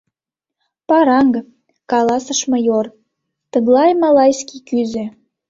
— Паранг, — каласыш майор, — тыглай малайский кӱзӧ.